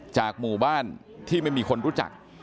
หมู่บ้านที่ไม่มีคนรู้จัก